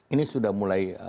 ini sudah mulai